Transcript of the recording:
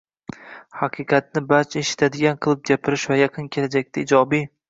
haqiqatni barcha eshitadigan qilib gapirish va yaqin kelajakda ijobiy